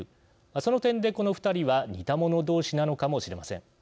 その点でこの２人は似た者同士なのかもしれません。